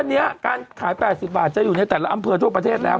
เนี้ยการขายแปดสิบบาทจะอยู่ในแต่ละอำเครย์ทั่วประเทศแล้ว